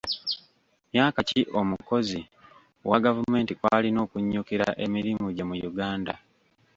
Myaka ki omukozi wa gavumenti kw'alina okunyukkira emirimu gye mu Uganda?